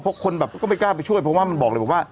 เพราะคนแบบก็ไม่กล้าไปช่วยเพราะว่ามันบอกเลยบอกว่า